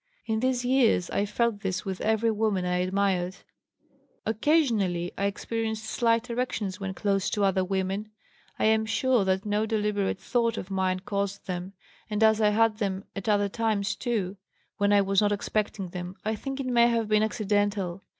In these years I felt this with every woman I admired. "Occasionally, I experienced slight erections when close to other women. I am sure that no deliberate thought of mine caused them, and as I had them at other times too, when I was not expecting them, I think it may have been accidental.